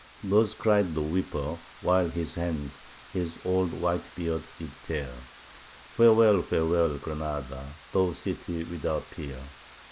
Thus cried the weeper, while his hands his old white beard did tear, Farewell, farewell, Granada! thou city without peer!